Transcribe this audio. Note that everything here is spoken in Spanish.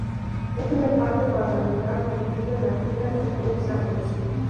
Es un espacio cuadrangular, dividido en altura en tres tramos.